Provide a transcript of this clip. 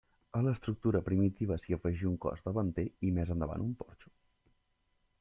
A l'estructura primitiva s'hi afegí un cos davanter i més endavant un porxo.